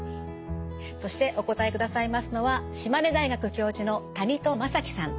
そしてお答えくださいますのは島根大学教授の谷戸正樹さん。